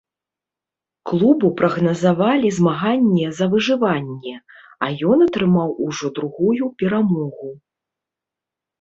Клубу прагназавалі змаганне за выжыванне, а ён атрымаў ужо другую перамогу.